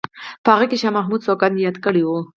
په هغه کې شاه محمد سوګند یاد کړی وو.